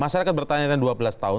masyarakat bertanya dua belas tahun